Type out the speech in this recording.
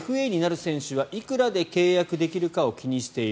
ＦＡになる選手はいくらで契約できるかを気にしている。